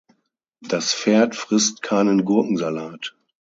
Das Pferd frisst keinen Gurkensalat.